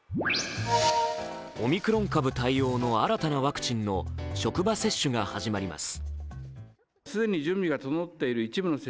オミクロン株対応の新たなワクチンの職場接種が始まります。